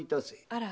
あら。